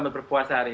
terima kasih mas aji